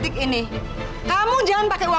ih kamu eh beneran